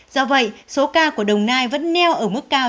do vậy số ca của đồng nai vẫn neo ở mức cao